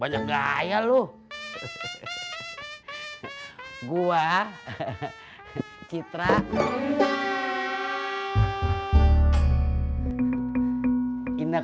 pertama kali kita ketemu